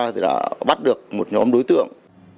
thì đã bắt được một nhóm đối tượng